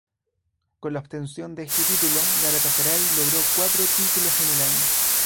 Con la obtención de este título, Galatasaray logró cuatro títulos en el año.